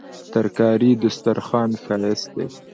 ترکاري د سترخوان ښايست دی